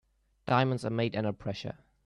Diamonds are made under pressure.